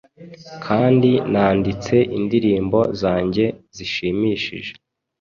Kandi nanditse indirimbo zanjye zishimishije